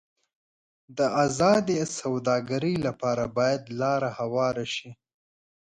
د ازادې سوداګرۍ لپاره باید لار هواره شي.